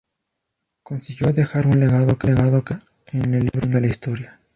Consiguió dejar un legado que perdura en el libro de la historia.